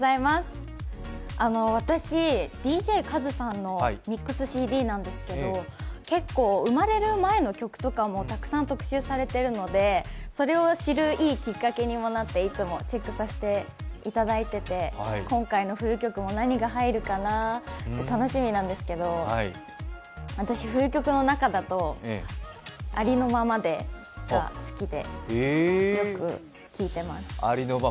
私、ＤＪ和さんのミックスＣＤなんですけれども結構、生まれる前の曲とかもたくさん特集されているので、それを知るいいきっかけにもなっていつもチェックさせていただいていて今回の冬曲も何が入るかなと楽しみなんですけど私、冬曲の中だと「ありのままで」が好きで、よく聴いてます。